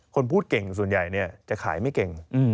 คนพูดเก่งส่วนใหญ่จะขายไม่เก่ง